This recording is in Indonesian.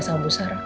salam buat bu sarah